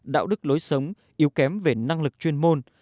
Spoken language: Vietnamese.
đạo đức lối sống yếu kém về năng lực chuyên môn